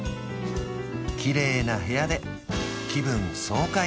きれいな部屋で気分爽快